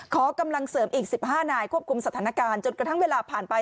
ขอกำลังเสริมอีก๑๕นายควบคุมสถานการณ์จนกระทั่งเวลาผ่านไป